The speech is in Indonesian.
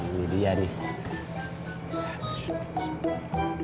ini dia nih